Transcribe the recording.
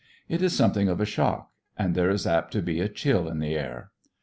It is something of a shock, and there is apt to be a chill in the air.